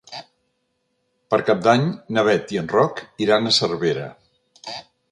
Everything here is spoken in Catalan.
Per Cap d'Any na Bet i en Roc iran a Cervera.